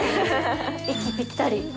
息ぴったり！